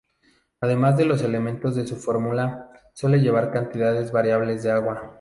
Además de los elementos de su fórmula, suele llevar cantidades variables de agua.